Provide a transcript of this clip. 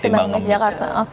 ketimbang ngemis jakarta